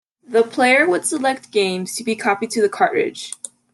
The player would select games to be copied to the cartridge.